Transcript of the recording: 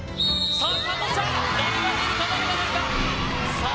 さあスタートした誰が出るか誰が出るかさあ